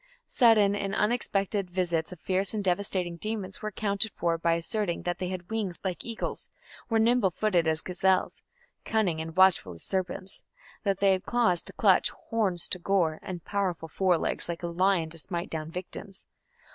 Sudden and unexpected visits of fierce and devastating demons were accounted for by asserting that they had wings like eagles, were nimble footed as gazelles, cunning and watchful as serpents; that they had claws to clutch, horns to gore, and powerful fore legs like a lion to smite down victims.